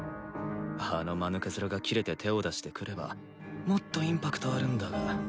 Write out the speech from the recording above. あの間抜けヅラがキレて手を出して来ればもっとインパクトあるんだが